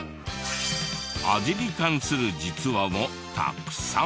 味に関する「実は」もたくさん！